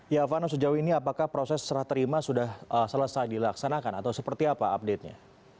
ya vano sejauh ini apakah proses serah terima sudah selesai dilaksanakan atau seperti apa update nya